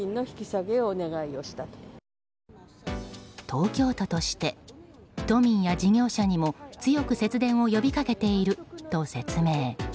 東京都として都民や事業者にも強く節電を呼びかけていると説明。